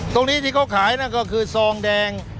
ตรงนี้ที่เขาขายนั่นก็คือซองแดง